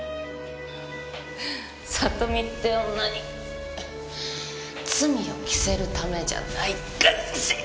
フッ里美って女に罪を着せるためじゃないかしら！